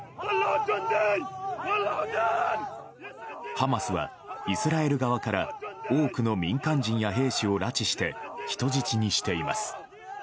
ハマスは、イスラエル側から多くの民間人や兵士を拉致して人質にしています。